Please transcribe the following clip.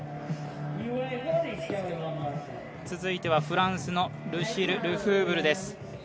続いてはフランスのルシル・ルフーブルです。